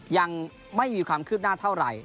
ยังไม่มีความคืบหน้าเท่าไหร่